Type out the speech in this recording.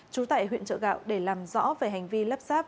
trú tại huyện chợ gạo để làm rõ về hành vi lắp sáp